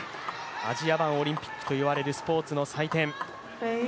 アジア版オリンピックといわれるスポーツの祭典。